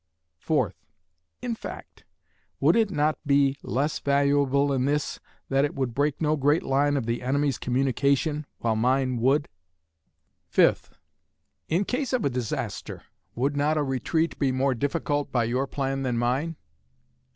4th. In fact, would it not be less valuable in this, that it would break no great line of the enemy's communication, while mine would? 5th. In case of a disaster, would not a retreat be more difficult by your plan than mine?